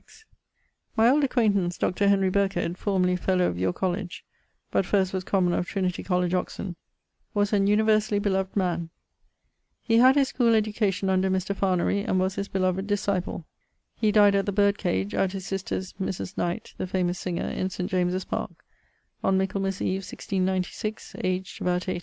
My old acquaintance, Dr. Henry Birkhed, formerly fellow of your college (but first was commoner of Trinity College Oxon) was an universally d man. He had his schoole education under Mr. Farnary and beloved disciple. He died at the Bird cage (at his sister's, Mris Knight, the famous singer) in St. James's parke, Michaelmas eve 1696, aged about 80.